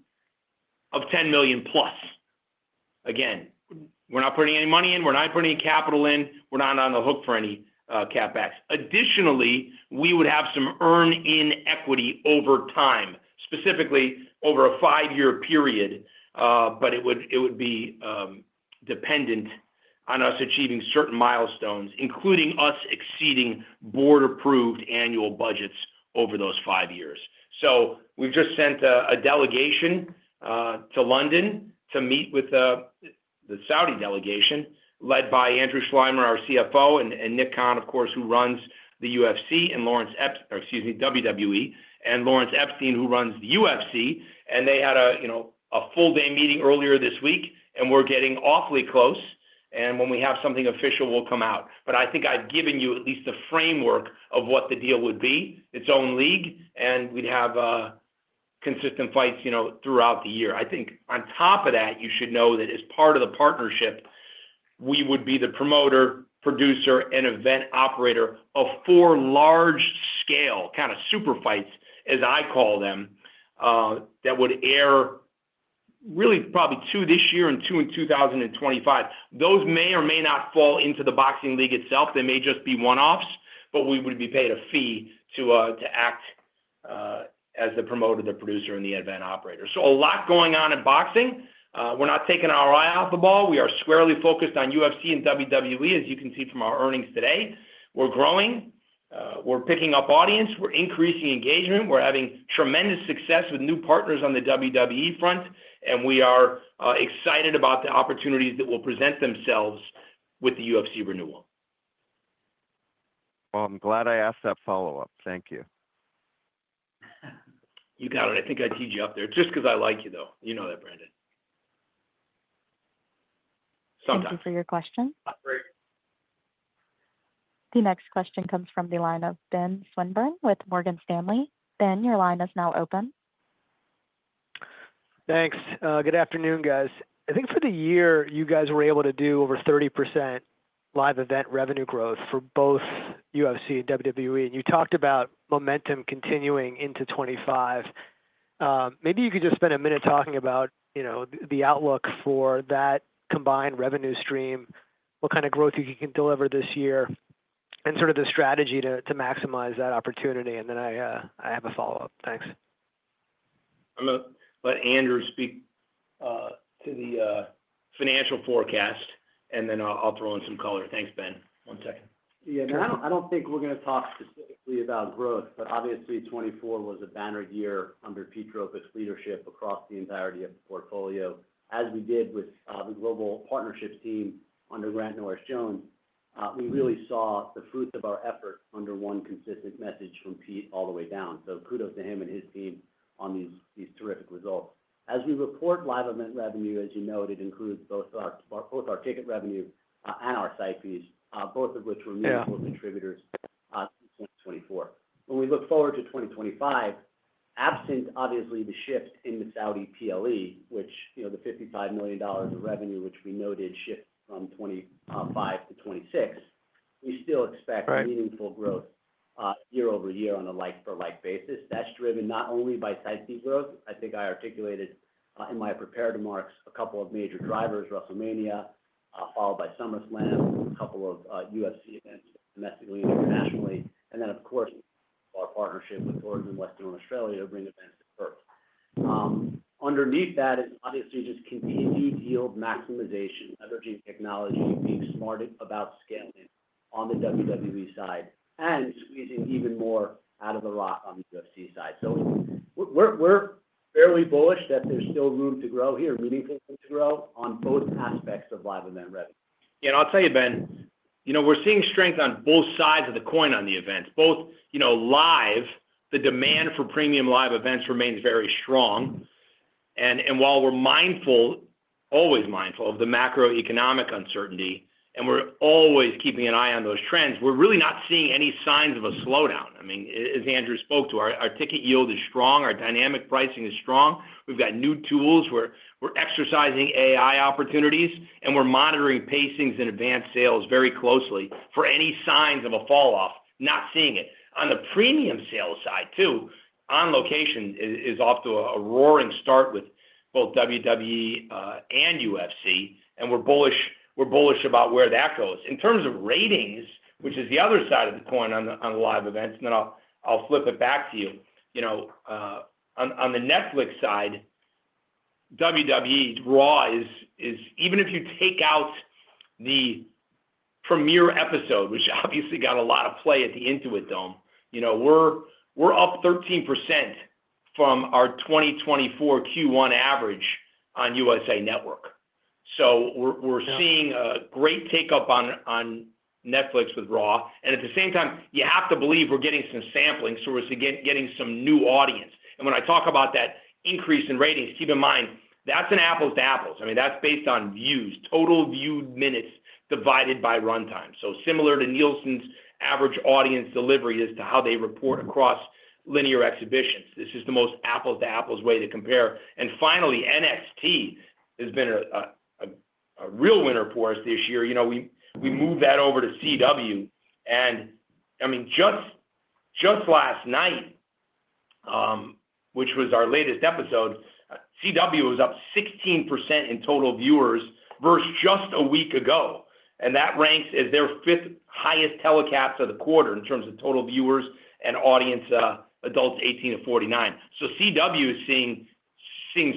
of $10 million plus. Again, we're not putting any money in. We're not putting any capital in. We're not on the hook for any CapEx. Additionally, we would have some earned equity over time, specifically over a five-year period, but it would be dependent on us achieving certain milestones, including us exceeding board-approved annual budgets over those five years. So we've just sent a delegation to London to meet with the Saudi delegation led by Andrew Schleimer, our CFO, and Nick Khan, of course, who runs the UFC, and Lawrence Epstein, excuse me, WWE, and Lawrence Epstein, who runs the UFC. And they had a full-day meeting earlier this week, and we're getting awfully close. And when we have something official, we'll come out. But I think I've given you at least the framework of what the deal would be, its own league, and we'd have consistent fights throughout the year. I think on top of that, you should know that as part of the partnership, we would be the promoter, producer, and event operator of four large-scale kind of super fights, as I call them, that would air really probably two this year and two in 2025. Those may or may not fall into the boxing league itself. They may just be one-offs, but we would be paid a fee to act as the promoter, the producer, and the event operator. So a lot going on in boxing. We're not taking our eye off the ball. We are squarely focused on UFC and WWE, as you can see from our earnings today. We're growing. We're picking up audience. We're increasing engagement. We're having tremendous success with new partners on the WWE front, and we are excited about the opportunities that will present themselves with the UFC renewal. Well, I'm glad I asked that follow-up. Thank you. You got it. I think I teed you up there. Just because I like you, though. You know that, Brandon. Sometimes. Thank you for your question. The next question comes from the line of Ben Swinburne with Morgan Stanley. Ben, your line is now open. Thanks. Good afternoon, guys. I think for the year, you guys were able to do over 30% live event revenue growth for both UFC and WWE, and you talked about momentum continuing into 2025. Maybe you could just spend a minute talking about the outlook for that combined revenue stream, what kind of growth you can deliver this year, and sort of the strategy to maximize that opportunity. And then I have a follow-up. Thanks. I'm going to let Andrew speak to the financial forecast, and then I'll throw in some color. Thanks, Ben. One second. Yeah. I don't think we're going to talk specifically about growth, but obviously, 2024 was a banner year under Pete Dropick's leadership across the entirety of the portfolio, as we did with the global partnership team under Grant Norris-Jones. We really saw the fruits of our efforts under one consistent message from Pete all the way down. Kudos to him and his team on these terrific results. As we report live event revenue, as you know, it includes both our ticket revenue and our site fees, both of which were meaningful contributors in 2024. When we look forward to 2025, absent, obviously, the shift in the Saudi PLE, which, the $55 million of revenue which we noted, shifted from 2025 to 2026, we still expect meaningful growth year over year on a like-for-like basis. That's driven not only by site fee growth. I think I articulated in my prepared remarks a couple of major drivers: WrestleMania, followed by SummerSlam, a couple of UFC events domestically and internationally, and then, of course, our partnership with Tourism Western Australia to bring events to Perth. Underneath that is, obviously, just continued yield maximization, leveraging technology, being smart about scaling on the WWE side, and squeezing even more out of the rock on the UFC side. So we're fairly bullish that there's still room to grow here, meaningful room to grow on both aspects of live event revenue. Yeah. And I'll tell you, Ben, we're seeing strength on both sides of the coin on the events. Both live, the demand for premium live events remains very strong. And while we're mindful, always mindful, of the macroeconomic uncertainty, and we're always keeping an eye on those trends, we're really not seeing any signs of a slowdown. I mean, as Andrew spoke to, our ticket yield is strong. Our dynamic pricing is strong. We've got new tools. We're exercising AI opportunities, and we're monitoring pacings and advanced sales very closely for any signs of a falloff, not seeing it. On the premium sales side, too, On Location is off to a roaring start with both WWE and UFC, and we're bullish about where that goes. In terms of ratings, which is the other side of the coin on the live events, and then I'll flip it back to you. On the Netflix side, WWE's Raw is, even if you take out the premiere episode, which obviously got a lot of play at the Intuit Dome, we're up 13% from our 2024 Q1 average on USA Network, so we're seeing a great uptake on Netflix with Raw, and at the same time, you have to believe we're getting some sampling, so we're getting some new audience. And when I talk about that increase in ratings, keep in mind, that's an apples-to-apples. I mean, that's based on views, total viewed minutes divided by runtime. So similar to Nielsen's average audience delivery as to how they report across linear exhibitions. This is the most apples-to-apples way to compare. And finally, NXT has been a real winner for us this year. We moved that over to CW. And I mean, just last night, which was our latest episode, CW was up 16% in total viewers versus just a week ago. And that ranks as their fifth highest telecast of the quarter in terms of total viewers and audience, adults 18-49. So CW is seeing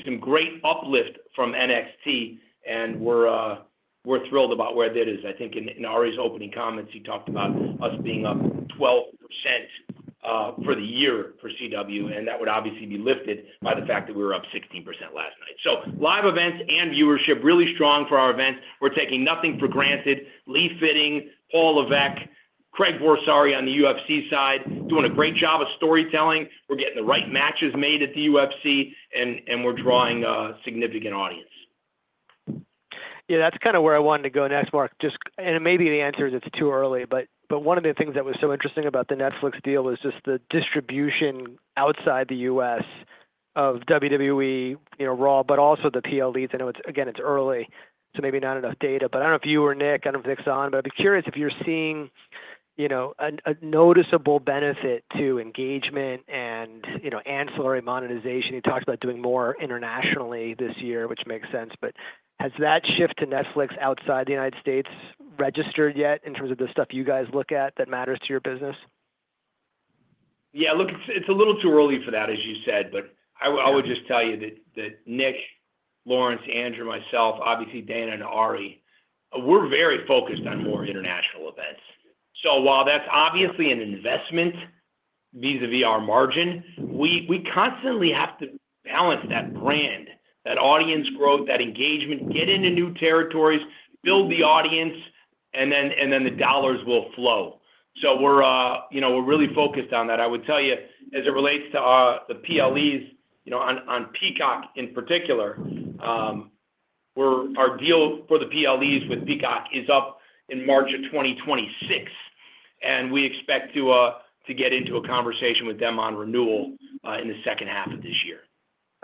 some great uplift from NXT, and we're thrilled about where that is. I think in Ari's opening comments, he talked about us being up 12% for the year for CW, and that would obviously be lifted by the fact that we were up 16% last night. So live events and viewership, really strong for our events. We're taking nothing for granted. Lee Fitting, Paul Levesque, Craig Borsari on the UFC side, doing a great job of storytelling. We're getting the right matches made at the UFC, and we're drawing a significant audience. Yeah. That's kind of where I wanted to go next, Mark. And maybe the answer is it's too early, but one of the things that was so interesting about the Netflix deal was just the distribution outside the U.S. of WWE Raw, but also the PLEs. I know it's, again, it's early, so maybe not enough data. But I don't know if you or Nick, I don't know if Nick's on, but I'd be curious if you're seeing a noticeable benefit to engagement and ancillary monetization. You talked about doing more internationally this year, which makes sense, but has that shift to Netflix outside the United States registered yet in terms of the stuff you guys look at that matters to your business? Yeah. Look, it's a little too early for that, as you said, but I would just tell you that Nick, Lawrence, Andrew, myself, obviously Dana and Ari, we're very focused on more international events. So while that's obviously an investment vis-à-vis our margin, we constantly have to balance that brand, that audience growth, that engagement, get into new territories, build the audience, and then the dollars will flow. So we're really focused on that. I would tell you, as it relates to the PLEs on Peacock in particular, our deal for the PLEs with Peacock is up in March of 2026, and we expect to get into a conversation with them on renewal in the second half of this year.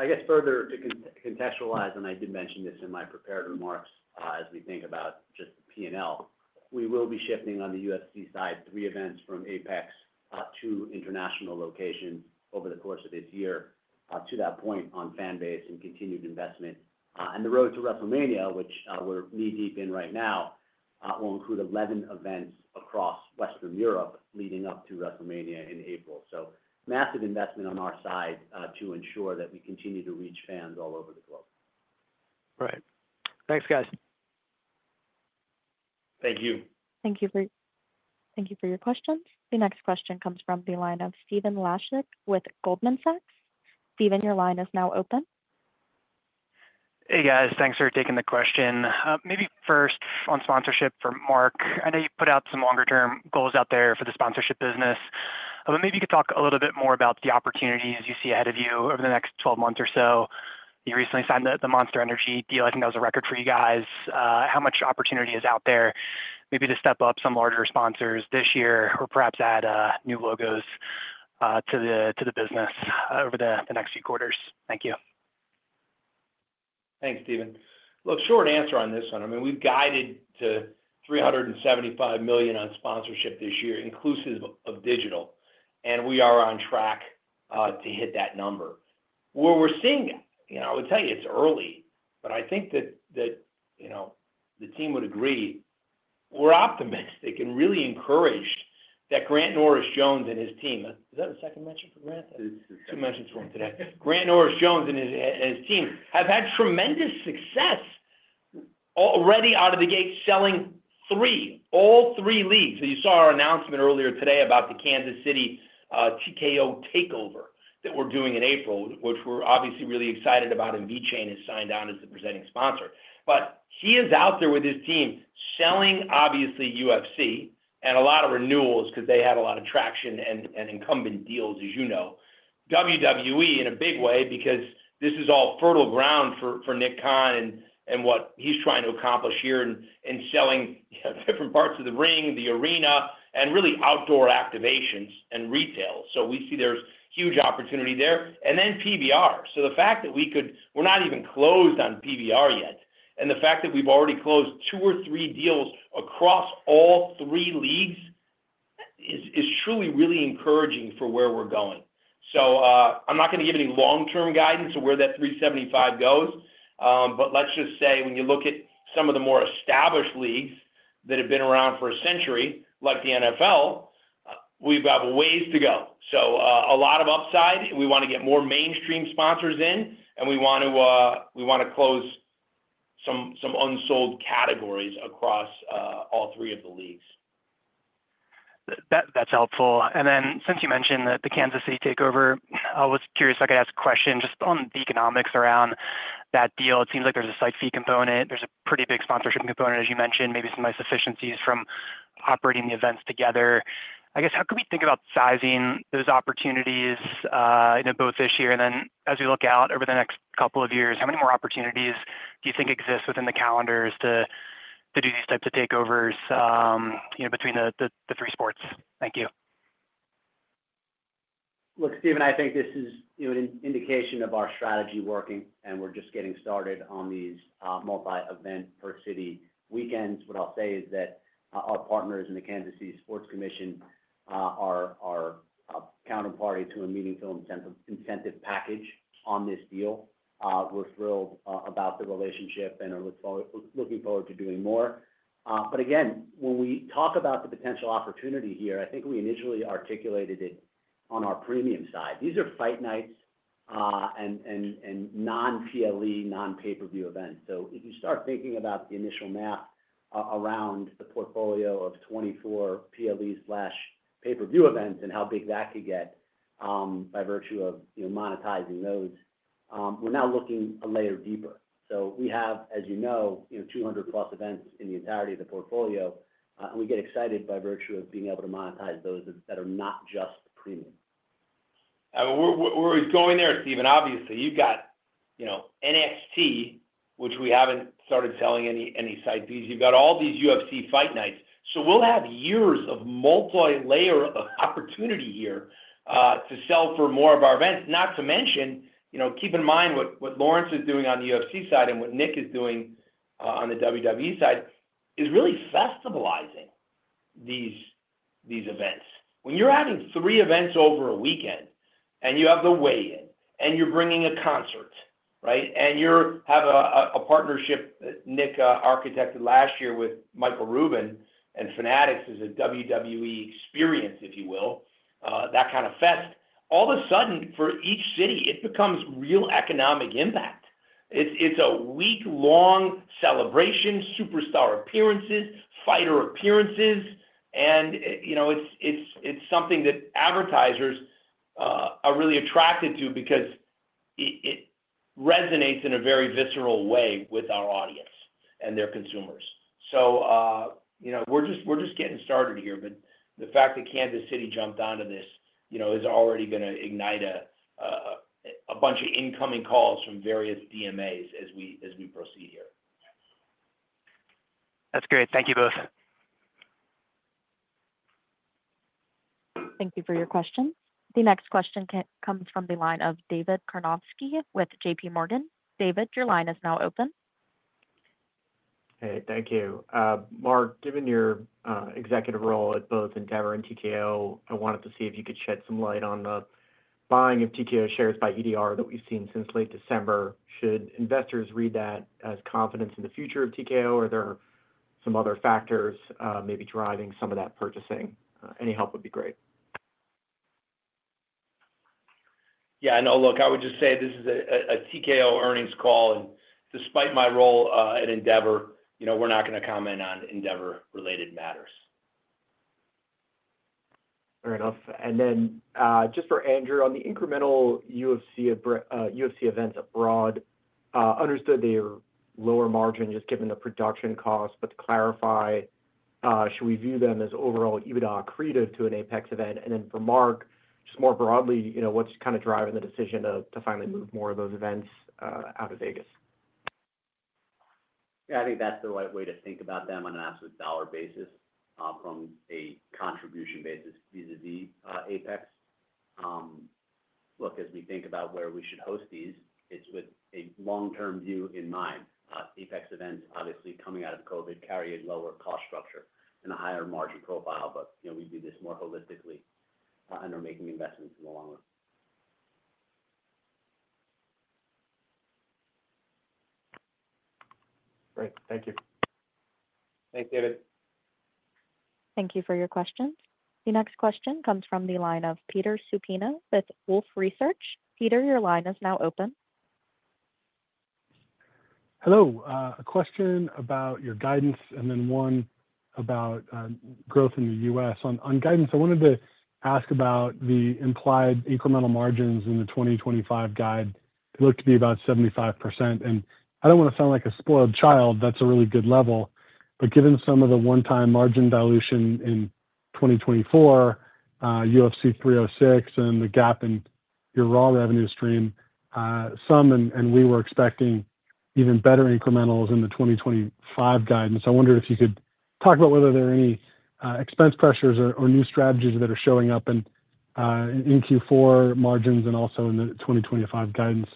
I guess further to contextualize, and I did mention this in my prepared remarks as we think about just the P&L, we will be shifting on the UFC side three events from APEX to international locations over the course of this year to that point on fan base and continued investment, and the road to WrestleMania, which we're knee-deep in right now, will include 11 events across Western Europe leading up to WrestleMania in April. So massive investment on our side to ensure that we continue to reach fans all over the globe. Right. Thanks, guys. Thank you. Thank you for your questions. The next question comes from the line of Stephen Laszczyk with Goldman Sachs. Stephen, your line is now open. Hey, guys. Thanks for taking the question. Maybe first on sponsorship for Mark. I know you put out some longer-term goals out there for the sponsorship business, but maybe you could talk a little bit more about the opportunities you see ahead of you over the next 12 months or so. You recently signed the Monster Energy deal. I think that was a record for you guys. How much opportunity is out there maybe to step up some larger sponsors this year or perhaps add new logos to the business over the next few quarters? Thank you. Thanks, Stephen. Look, short answer on this one. I mean, we've guided to $375 million on sponsorship this year, inclusive of digital, and we are on track to hit that number. Where we're seeing that, I would tell you it's early, but I think that the team would agree. We're optimistic and really encouraged that Grant Norris-Jones and his team (is that a second mention for Grant? Two mentions for him today) have had tremendous success already out of the gate selling three, all three leagues. So you saw our announcement earlier today about the Kansas City TKO takeover that we're doing in April, which we're obviously really excited about, and VeChain has signed on as the presenting sponsor. But he is out there with his team selling, obviously, UFC and a lot of renewals because they had a lot of traction and incumbent deals, as you know. WWE in a big way because this is all fertile ground for Nick Khan and what he's trying to accomplish here in selling different parts of the ring, the arena, and really outdoor activations and retail. So we see there's huge opportunity there. And then PBR. So the fact that we could—we're not even closed on PBR yet. And the fact that we've already closed two or three deals across all three leagues is truly really encouraging for where we're going. I'm not going to give any long-term guidance of where that 375 goes, but let's just say when you look at some of the more established leagues that have been around for a century, like the NFL, we've got ways to go. There's a lot of upside. We want to get more mainstream sponsors in, and we want to close some unsold categories across all three of the leagues. That's helpful. Since you mentioned the Kansas City takeover, I was curious if I could ask a question just on the economics around that deal. It seems like there's a site fee component. There's a pretty big sponsorship component, as you mentioned, maybe some of the efficiencies from operating the events together. I guess how can we think about sizing those opportunities both this year and then as we look out over the next couple of years? How many more opportunities do you think exist within the calendars to do these types of takeovers between the three sports? Thank you. Look, Stephen, I think this is an indication of our strategy working, and we're just getting started on these multi-event per city weekends. What I'll say is that our partners in the Kansas City Sports Commission are a counterparty to a meaningful incentive package on this deal. We're thrilled about the relationship and are looking forward to doing more, but again, when we talk about the potential opportunity here, I think we initially articulated it on our premium side. These are fight nights and non-PLE, non-pay-per-view events, so if you start thinking about the initial math around the portfolio of 24 PLE/pay-per-view events and how big that could get by virtue of monetizing those, we're now looking a layer deeper. So we have, as you know, 200-plus events in the entirety of the portfolio, and we get excited by virtue of being able to monetize those that are not just premium. We're going there, Stephen. Obviously, you've got NXT, which we haven't started selling any site fees. You've got all these UFC fight nights. So we'll have years of multi-layer of opportunity here to sell for more of our events. Not to mention, keep in mind what Lawrence is doing on the UFC side and what Nick is doing on the WWE side is really festivalizing these events. When you're having three events over a weekend, and you have the weigh-in, and you're bringing a concert, right, and you have a partnership that Nick architected last year with Michael Rubin and Fanatics as a WWE experience, if you will, that kind of fest, all of a sudden, for each city, it becomes real economic impact. It's a week-long celebration, Superstar appearances, Fighter appearances, and it's something that advertisers are really attracted to because it resonates in a very visceral way with our audience and their consumers. So we're just getting started here, but the fact that Kansas City jumped onto this is already going to ignite a bunch of incoming calls from various DMAs as we proceed here. That's great. Thank you both. Thank you for your questions. The next question comes from the line of David Karnovsky with JPMorgan. David, your line is now open. Hey, thank you. Mark, given your executive role at both Endeavor and TKO, I wanted to see if you could shed some light on the buying of TKO shares by EDR that we've seen since late December. Should investors read that as confidence in the future of TKO, or are there some other factors maybe driving some of that purchasing? Any help would be great. Yeah. No, look, I would just say this is a TKO earnings call, and despite my role at Endeavor, we're not going to comment on Endeavor-related matters. Fair enough. And then just for Andrew, on the incremental UFC events abroad, understood they are lower margin just given the production cost, but to clarify, should we view them as overall EBITDA accretive to an APEX event? And then for Mark, just more broadly, what's kind of driving the decision to finally move more of those events out of Vegas? Yeah. I think that's the right way to think about them on an absolute dollar basis from a contribution basis vis-à-vis APEX. Look, as we think about where we should host these, it's with a long-term view in mind. APEX events, obviously, coming out of COVID, carry a lower cost structure and a higher margin profile, but we view this more holistically and are making investments in the long run. Great. Thank you. Thanks, David. Thank you for your questions. The next question comes from the line of Peter Supino with Wolfe Research. Peter, your line is now open. Hello. A question about your guidance and then one about growth in the US. On guidance, I wanted to ask about the implied incremental margins in the 2025 guide. It looked to be about 75%, and I don't want to sound like a spoiled child. That's a really good level. But given some of the one-time margin dilution in 2024, UFC 306, and the gap in your Raw revenue stream, so we were expecting even better incrementals in the 2025 guidance. I wonder if you could talk about whether there are any expense pressures or new strategies that are showing up in Q4 margins and also in the 2025 guidance.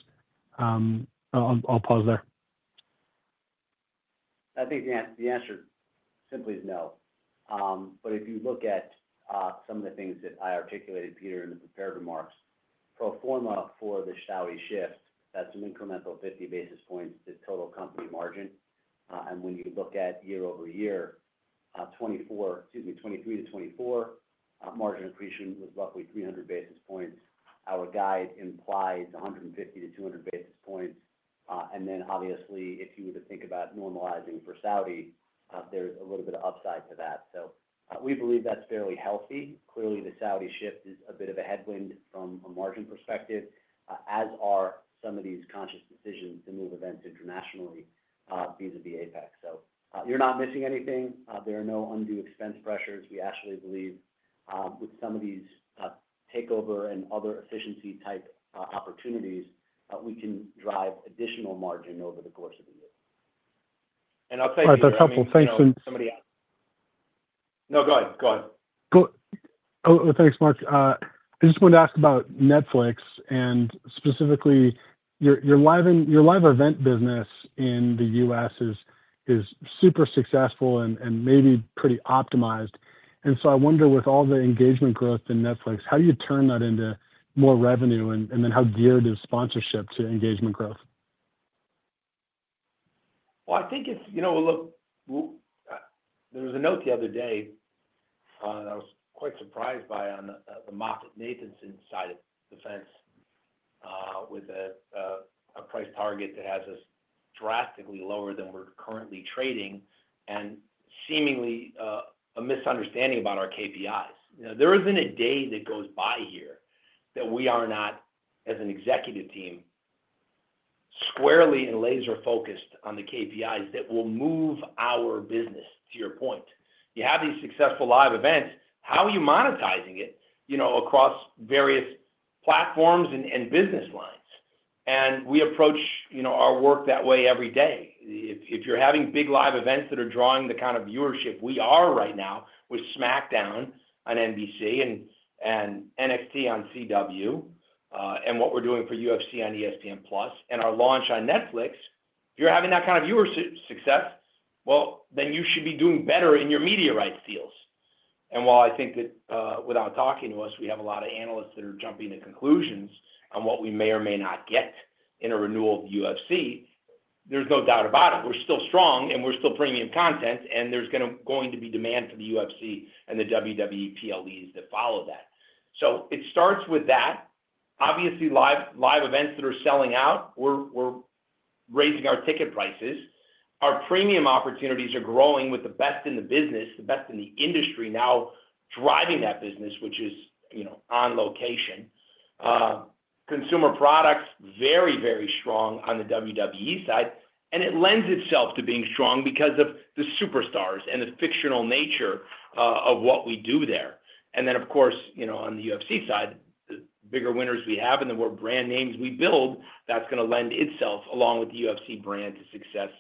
I'll pause there. I think the answer simply is no. But if you look at some of the things that I articulated, Peter, in the prepared remarks, pro forma for the Raw shift, that's an incremental 50 basis points to total company margin. When you look at year-over-year, 2024, excuse me, 2023-2024, margin accretion was roughly 300 basis points. Our guide implies 150-200 basis points. And then, obviously, if you were to think about normalizing for Saudi, there's a little bit of upside to that. So we believe that's fairly healthy. Clearly, the Saudi shift is a bit of a headwind from a margin perspective, as are some of these conscious decisions to move events internationally vis-à-vis APEX. So you're not missing anything. There are no undue expense pressures. We actually believe with some of these takeover and other efficiency-type opportunities, we can drive additional margin over the course of the year. And I'll tell you something else. That's helpful. Thanks. No, go ahead. Go ahead. Thanks, Mark. I just wanted to ask about Netflix and specifically your live event business in the U.S. is super successful and maybe pretty optimized. And so I wonder, with all the engagement growth in Netflix, how do you turn that into more revenue and then how geared is sponsorship to engagement growth? Well, I think it's. Look, there was a note the other day that I was quite surprised by on the MoffettNathanson side of the fence with a price target that has us drastically lower than we're currently trading and seemingly a misunderstanding about our KPIs. There isn't a day that goes by here that we are not, as an executive team, squarely and laser-focused on the KPIs that will move our business, to your point. You have these successful live events. How are you monetizing it across various platforms and business lines? We approach our work that way every day. If you're having big live events that are drawing the kind of viewership we are right now with SmackDown on NBC and NXT on CW and what we're doing for UFC on ESPN+ and our launch on Netflix, if you're having that kind of viewership success, well, then you should be doing better in your media rights deals. And while I think that without talking to us, we have a lot of analysts that are jumping to conclusions on what we may or may not get in a renewal of UFC, there's no doubt about it. We're still strong, and we're still premium content, and there's going to be demand for the UFC and the WWE PLEs that follow that. It starts with that. Obviously, live events that are selling out, we're raising our ticket prices. Our premium opportunities are growing with the best in the business, the best in the industry now driving that business, which is On Location. Consumer products, very, very strong on the WWE side, and it lends itself to being strong because of the Superstars and the fictional nature of what we do there, and then, of course, on the UFC side, the bigger winners we have and the more brand names we build, that's going to lend itself, along with the UFC brand, to success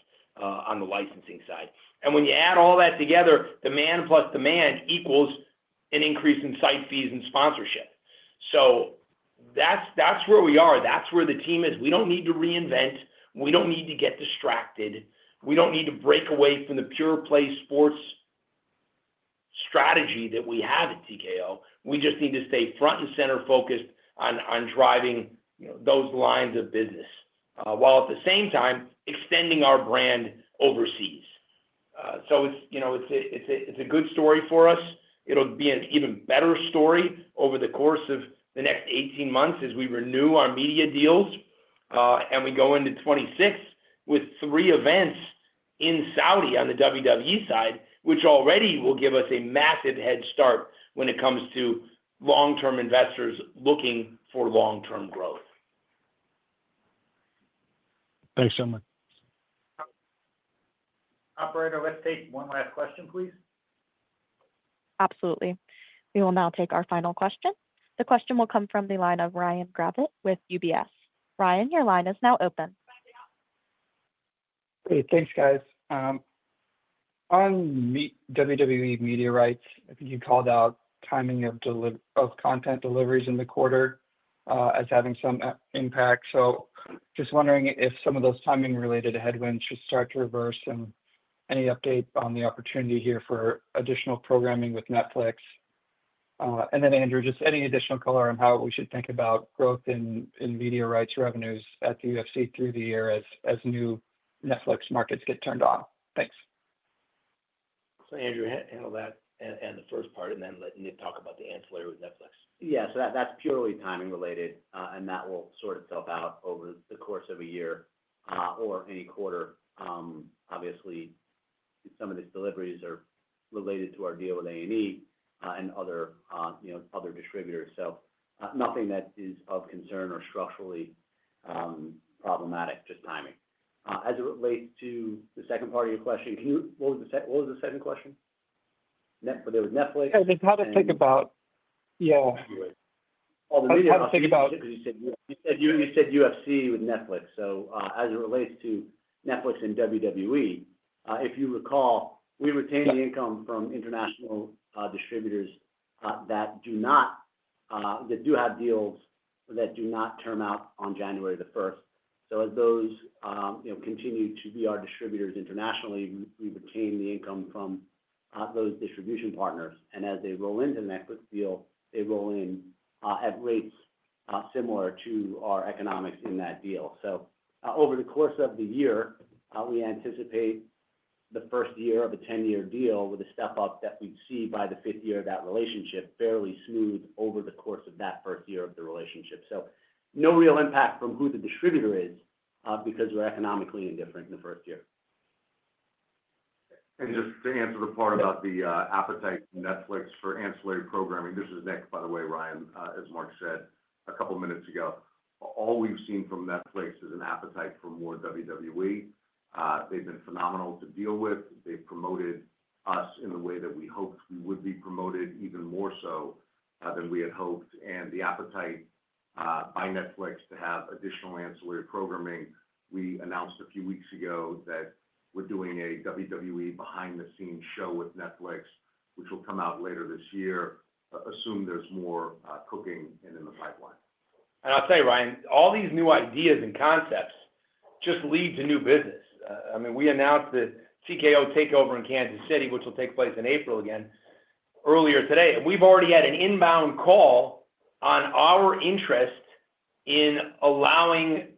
on the licensing side, and when you add all that together, demand plus demand equals an increase in site fees and sponsorship, so that's where we are. That's where the team is. We don't need to reinvent. We don't need to get distracted. We don't need to break away from the pure-play sports strategy that we have at TKO. We just need to stay front and center focused on driving those lines of business while at the same time extending our brand overseas. So it's a good story for us. It'll be an even better story over the course of the next 18 months as we renew our media deals and we go into 2026 with three events in Saudi on the WWE side, which already will give us a massive head start when it comes to long-term investors looking for long-term growth. Thanks so much. Operator, let's take one last question, please. Absolutely. We will now take our final question. The question will come from the line of Ryan Gravett with UBS. Ryan, your line is now open. Great. Thanks, guys. On WWE media rights, I think you called out timing of content deliveries in the quarter as having some impact. So just wondering if some of those timing-related headwinds should start to reverse and any update on the opportunity here for additional programming with Netflix? And then, Andrew, just any additional color on how we should think about growth in media rights revenues at the UFC through the year as new Netflix markets get turned on. Thanks. So Andrew, handle that and the first part, and then let Nick talk about the ancillary with Netflix. Yeah. So that's purely timing-related, and that will sort itself out over the course of a year or any quarter. Obviously, some of these deliveries are related to our deal with A&E and other distributors. So nothing that is of concern or structurally problematic, just timing. As it relates to the second part of your question, what was the second question? There was Netflix. Yeah. Just how to think about—yeah. Oh, the media rights. How to think about, because you said UFC with Netflix, so as it relates to Netflix and WWE, if you recall, we retain the income from international distributors that do have deals that do not term out on January the 1st, so as those continue to be our distributors internationally, we retain the income from those distribution partners, and as they roll into the Netflix deal, they roll in at rates similar to our economics in that deal, so over the course of the year, we anticipate the first year of a 10-year deal with a step-up that we see by the fifth year of that relationship, fairly smooth over the course of that first year of the relationship, so no real impact from who the distributor is because we're economically indifferent in the first year. Just to answer the part about the appetite for Netflix for ancillary programming, this is Nick, by the way, Ryan, as Mark said a couple of minutes ago. All we've seen from Netflix is an appetite for more WWE. They've been phenomenal to deal with. They've promoted us in the way that we hoped we would be promoted, even more so than we had hoped. The appetite by Netflix to have additional ancillary programming, we announced a few weeks ago that we're doing a WWE behind-the-scenes show with Netflix, which will come out later this year. Assume there's more cooking in the pipeline. I'll tell you, Ryan, all these new ideas and concepts just lead to new business. I mean, we announced the TKO takeover in Kansas City, which will take place in April again, earlier today. And we've already had an inbound call on our interest in allowing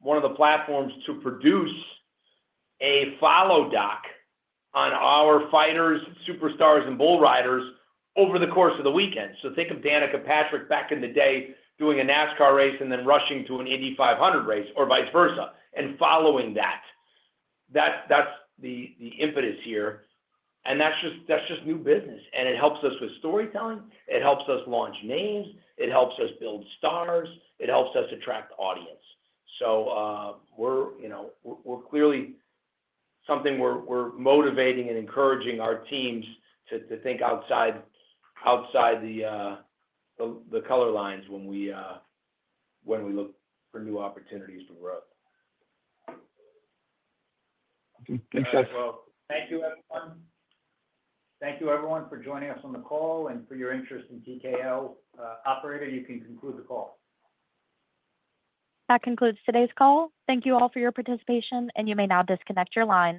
one of the platforms to produce a follow-doc on our fighters, superstars, and bull riders over the course of the weekend. So think of Danica Patrick back in the day doing a NASCAR race and then rushing to an Indy 500 race or vice versa and following that. That's the impetus here. And that's just new business. And it helps us with storytelling. It helps us launch names. It helps us build stars. It helps us attract audience. So we're clearly something we're motivating and encouraging our teams to think outside the box when we look for new opportunities for growth. Thanks, guys. Thank you, everyone. Thank you, everyone, for joining us on the call and for your interest in TKO. Operator, you can conclude the call. That concludes today's call. Thank you all for your participation, and you may now disconnect your line.